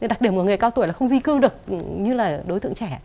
đặc điểm của người cao tuổi là không di cư được như là đối tượng trẻ